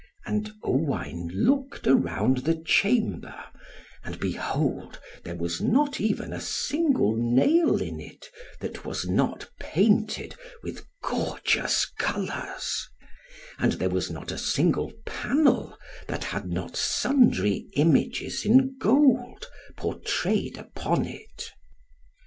And Owain looked around the chamber, and behold there was not even a single nail in it, that was not painted with gorgeous colours; and there was not a single panel, that had not sundry images in gold portrayed upon it.